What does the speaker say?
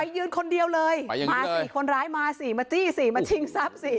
ยืนคนเดียวเลยมา๔คนร้ายมาสิมาจี้สิมาชิงทรัพย์สิ